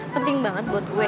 penting banget buat gue